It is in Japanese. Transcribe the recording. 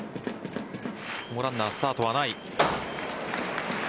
ここもランナースタートはない。